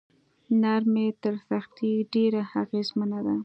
نرمي تر سختۍ ډیره اغیزمنه ده.